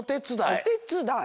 おてつだい？